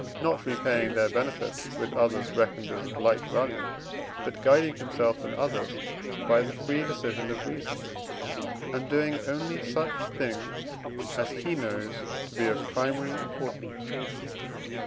not repaying their benefits with others reckoned as of like value, but guiding himself and others by the free decision of reason, and doing only such things as he knows to be of primary importance.